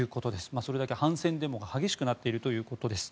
それだけ反戦デモが激しくなっているということです。